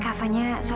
kau pengennya epik